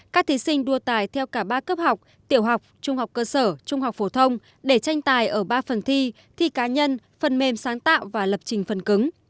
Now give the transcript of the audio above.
các thí sinh đua tài theo cả ba cấp học tiểu học trung học cơ sở trung học phổ thông để tranh tài ở ba phần thi thi cá nhân phần mềm sáng tạo và lập trình phần cứng